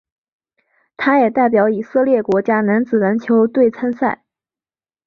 他也代表以色列国家男子篮球队参赛。